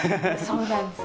そうなんです。